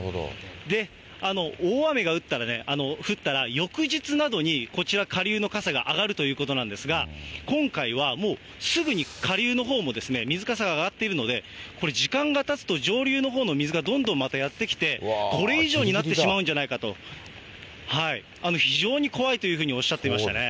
で、大雨が降ったら、翌日などにこちら、下流のかさが上がるということなんですが、今回はもうすぐに下流のほうも水かさが上がっているので、これ、時間がたつと、上流のほうの水がどんどんまたやって来て、これ以上になってしまうんじゃないかと、非常に怖いというふうにおっしゃっていましたね。